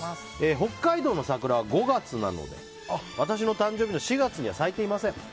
北海道の桜は５月なので私の誕生日の４月には咲いていません。